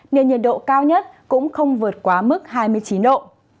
nên nhiệt độ cao nhất cũng không vượt quá mức hai mươi chín độ